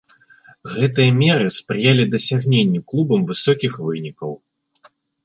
Гэтыя меры спрыялі дасягненню клубам высокіх вынікаў.